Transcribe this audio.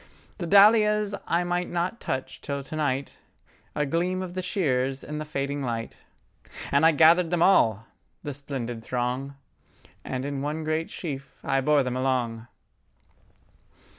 The dahlias I might not touch till to night!A gleam of the shears in the fading light, And I gathered them all,—the splendid throng, And in one great sheaf I bore them along..